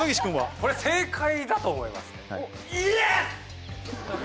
これ正解だと思います。